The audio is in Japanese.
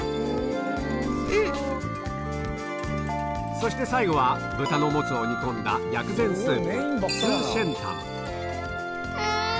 そして最後は豚のモツを煮込んだ薬膳スープうん！